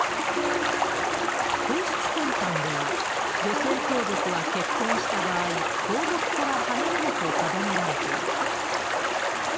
皇室典範では、女性皇族は結婚した場合、皇族から離れると定められている。